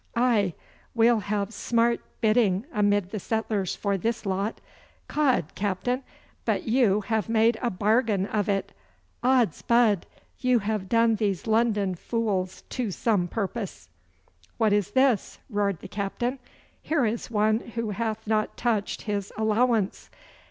'Aye, we'll have smart bidding amid the settlers for this lot. 'Cod, captain, but you have made a bargain of it! Od's bud! you have done these London fools to some purpose.' 'What is this?' roared the captain. 'Here is one who hath not touched his allowance.